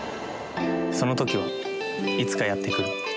その時はいつかやってくる。